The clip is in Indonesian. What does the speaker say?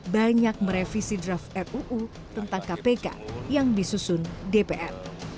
banyak merevisi draft ruu tentang kpk yang disusun dpr